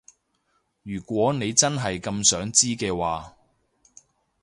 如果你真係咁想知嘅話